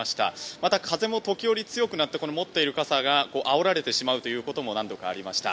また風も時折強くなって持っている傘があおられてしまうということも何度かありました。